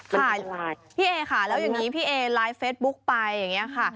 ค่ะพี่เอค่ะแล้วอย่างนี้พี่เอไลฟ์เฟซบุ๊กไปอย่างนี้ค่ะ